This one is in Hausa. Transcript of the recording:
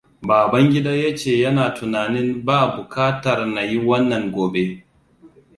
Babangida ya ce yana tunanin ba bukatar na yi wannan gobe.